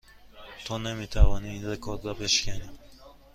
تو نمی توانی این رکورد را بشکنی.